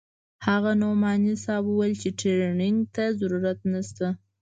خو نعماني صاحب وويل چې ټرېننگ ته ضرورت نسته.